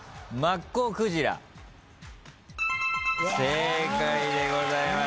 正解でございます。